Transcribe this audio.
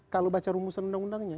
kalau baca rumusan undang undangnya